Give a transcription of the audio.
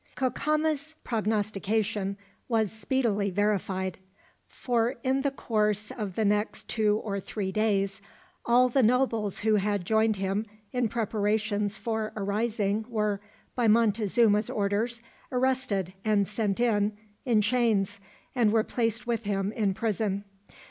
Cacama's prognostication was speedily verified; for in the course of the next two or three days, all the nobles who had joined him in preparations for a rising were, by Montezuma's orders, arrested and sent in, in chains, and were placed with him in prison.